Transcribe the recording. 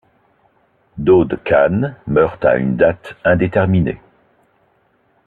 Daud Khan meurt à une date indéterminée.